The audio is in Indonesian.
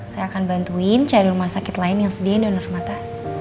saya akan bantuin cari rumah sakit lain yang sediain donor mata